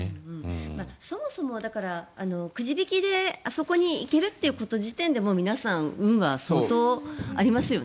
そもそもだからくじ引きであそこに行けること時点でもう皆さん運は相当ありますよね。